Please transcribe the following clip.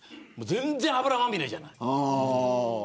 全然、油まみれじゃない。